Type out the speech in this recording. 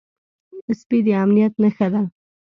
سپي د امنيت نښه ده.